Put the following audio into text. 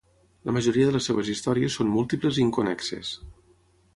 La majoria de les seves històries són múltiples i inconnexes.